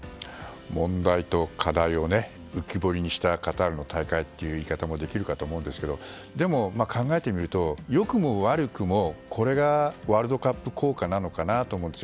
問題と課題を浮き彫りにしたカタールの大会ともいえると思いますがでも、考えてみると良くも悪くもこれがワールドカップ効果なのかなとも思うんです。